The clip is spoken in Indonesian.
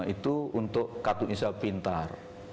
itu untuk kartu indonesia pintar